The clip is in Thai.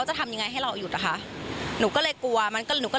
จะมึงสิบของเรา